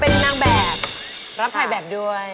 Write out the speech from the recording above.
เป็นนางแบบรับถ่ายแบบด้วย